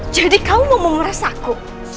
jadi kamu mau meres aku